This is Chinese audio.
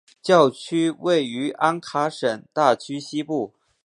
教区位于安卡什大区西部。